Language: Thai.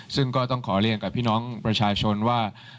ซึ่งก็ต้องขอเรียนกับพี่น้องประชาชนว่า